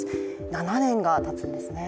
７年がたつんですね。